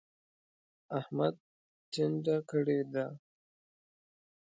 احمد ټنډه کړې ده.